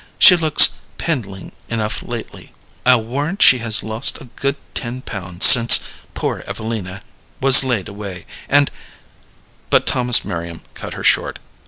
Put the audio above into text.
She looks pindling enough lately. I'll warrant she has lost a good ten pound since poor Evelina was laid away, and " But Thomas Merriam cut her short.